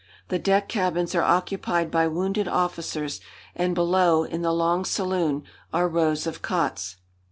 The deck cabins are occupied by wounded officers, and below, in the long saloon, are rows of cots.